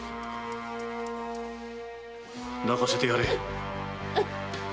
泣かせてやれ。